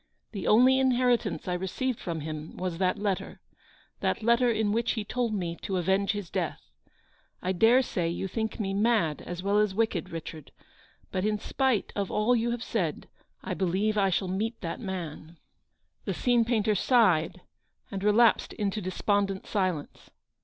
The only inheritance I received from him was that 234 letter; that letter in which he told me to avenge his death. I dare say you think me mad as well as wicked,, Richard; but in spite of all you have said, / believe that I shall meet that man !" The scene painter sighed and relapsed into despondent silence.